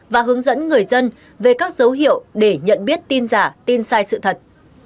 và hướng dẫn người dân về các dấu hiệu để nhận biết tin giả tin sai sự thật